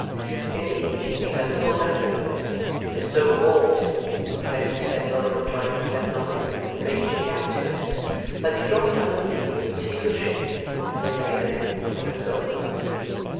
Indeed he had the full benefit of it, and it so mauled him, though he bent his head low and tried to present nothing but the mangy cap to it, that he dropped under the lee of a tier of shipping, and they lay there until it was over.